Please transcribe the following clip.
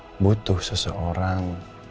di saat rena butuh seseorang